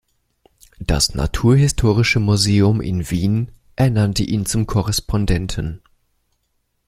Das Naturhistorische Museum in Wien ernannte ihn zum Korrespondenten.